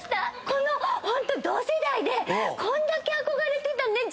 このホント同世代でこんだけ憧れてたね